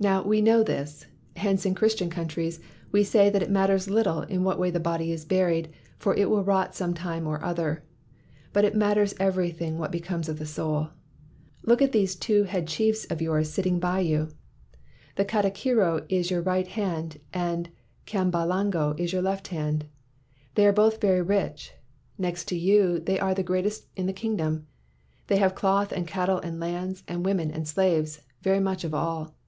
Now we know this, hence in Christian coun tries we say that it matters little in what way the body is buried, for it will rot some time or other; but it matters everything what becomes of the soul. Look at these two head chiefs of yours sitting by you. 191 WHITE MAN OF WORK The katikiro is your right hand and Kyam balango is your left hand. They are both very rich. Next to you they are the great est in the kingdom. They have cloth and cattle and lands and women and slaves — very much of all.